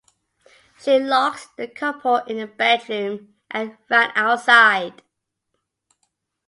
She locked the couple in the bedroom and ran outside.